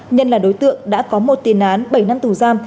nhân là đối tượng đã có một tiền án bảy năm trước